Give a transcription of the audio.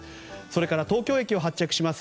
それから、東京駅を発着します